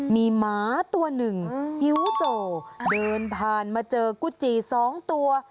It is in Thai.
มีหมาตัวหนึ่งหิวโสเดินผ่านมาเจอกุจีสองตัว